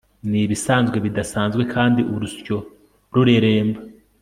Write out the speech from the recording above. nibisanzwe bidasanzwe kandi urusyo rureremba